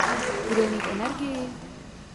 Budou mít energii?